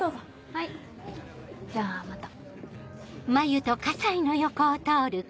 はいじゃあまた。